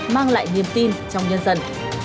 mang lại niềm tin trong nhân dân